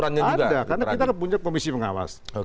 ada karena kita punya komisi pengawas